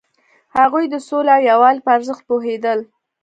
هغوی د سولې او یووالي په ارزښت پوهیدل.